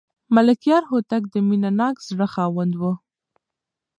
ملکیار هوتک د مینه ناک زړه خاوند و.